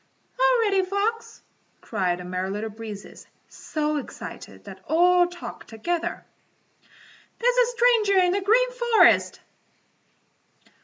"Oh, Reddy Fox," cried the Merry Little Breezes, so excited that all talked together, "there's a stranger in the Green Forest!"